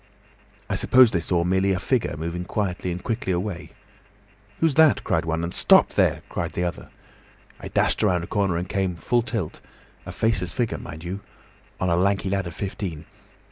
I suppose they saw merely a figure moving quietly and quickly away. 'Who's that?' cried one, and 'Stop there!' shouted the other. I dashed around a corner and came full tilt—a faceless figure, mind you!—on a lanky lad of fifteen.